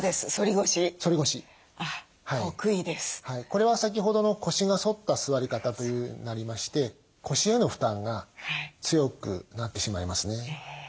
これは先ほどの腰が反った座り方というようになりまして腰への負担が強くなってしまいますね。